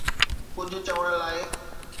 ڪجهه چوڻ لاءِ